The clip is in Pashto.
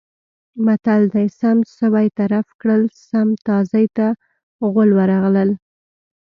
متل دی: سم سوی طرف کړل سم تازي ته غول ورغلل.